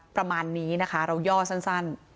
ประมาณนี้นะคะเราย่อสั้น